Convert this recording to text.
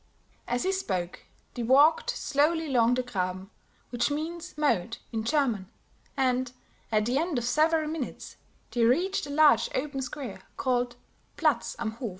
As he spoke, they walked slowly along the Graben, which means Moat in German, and, at the end of several minutes, they reached a large open square called Platz am Hof.